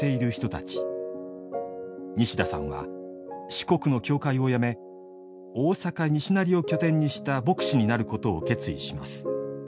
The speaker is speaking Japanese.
西田さんは四国の教会を辞め大阪・西成を拠点にした牧師になることを決意します。